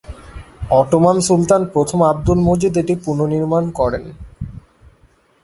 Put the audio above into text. Ottoman সুলতান প্রথম আবদুল মজিদ এটি পুনঃনির্মাণ করেন।